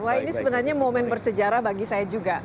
wah ini sebenarnya momen bersejarah bagi saya juga